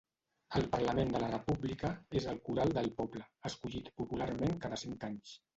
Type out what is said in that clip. El parlament de la República és el Khural del poble, escollit popularment cada cinc anys.